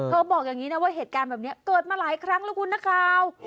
บอกอย่างนี้นะว่าเหตุการณ์แบบนี้เกิดมาหลายครั้งแล้วคุณนักข่าว